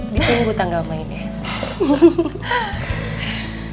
ditunggu tanggal mainnya